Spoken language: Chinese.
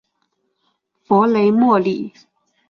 弗雷默里。